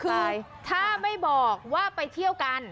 คือถ้าไม่บอกว่าไปเที่ยวกัน